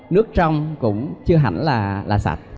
nước trong cũng chưa hẳn là sạch